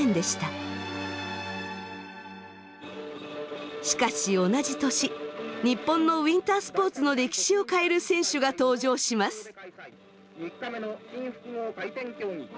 しかし同じ年日本のウインタースポーツの歴史を変える選手が登場します。